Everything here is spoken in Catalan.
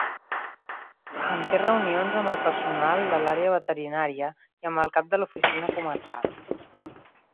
Manté reunions amb el personal de l'Àrea Veterinària i amb el cap de l'Oficina Comarcal.